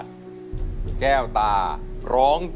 ที่บอกใจยังไง